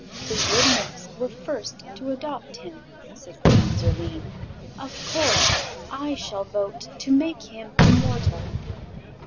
"The Wood Nymphs were first to adopt him," said Queen Zurline. "Of course I shall vote to make him immortal."